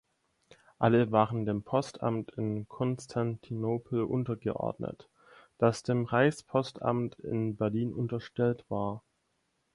Alle waren dem Postamt in Konstantinopel untergeordnet, das dem Reichspostamt in Berlin unterstellt war.